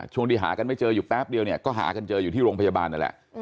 ช่วงที่หากันไม่เจออยู่แป๊บเดียวเนี่ยก็หากันเจออยู่ที่โรงพยาบาลนั่นแหละ